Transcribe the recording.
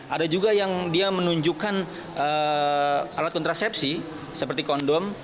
ada juga yang dia menunjukkan alat kontrasepsi seperti kondom